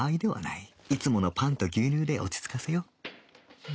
いつものパンと牛乳で落ち着かせよう